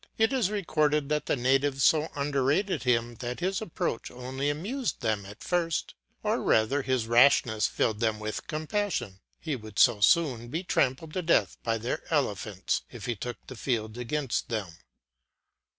it is recorded that the natives so underrated him that his approach only amused them at first; or rather, his rashness filled them with compassion; he would so soon be trampled to death by their elephants, if he took the field against them.